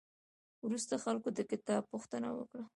وروسته خلکو د کتاب پوښتنه وکړه.